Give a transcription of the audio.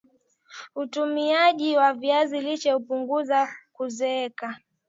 utumiaji wa viazi lishe hupunguza kuzeeka